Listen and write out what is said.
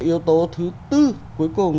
yếu tố thứ bốn cuối cùng